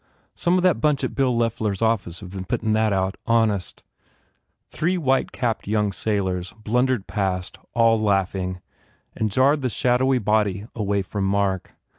Some of that bunch at Bill Loeffler s office have been puttin that out. Honest " Three white capped young sailors blundered past, all laughing, and jarred the shadowy body away from Mark.